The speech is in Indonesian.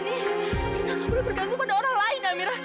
kita enggak boleh bergantung pada orang lain amirah